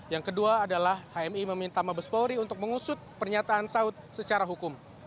yang kedua adalah hmi meminta mabes polri untuk mengusut pernyataan saud secara hukum